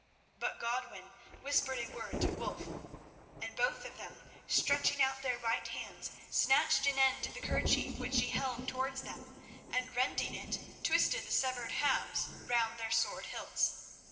But Godwin whispered a word to Wulf, and both of them stretching out their right hands, snatched an end of the kerchief which she held towards them, and rending it, twisted the severed halves round their sword hilts.